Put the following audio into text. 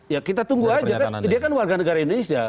ya kita tunggu aja kan dia kan warga negara indonesia